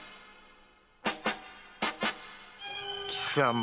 貴様。